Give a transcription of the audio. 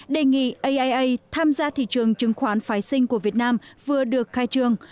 đề nghị aia tham gia thị trường chứng khoán phái sinh của việt nam vừa được khai trương